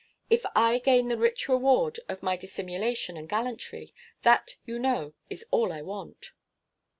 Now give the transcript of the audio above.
If I gain the rich reward of my dissimulation and gallantry, that, you know, is all I want.